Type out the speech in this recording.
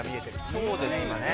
そうですね。